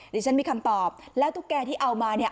ดิฉันมีคำตอบแล้วตุ๊กแกที่เอามาเนี่ย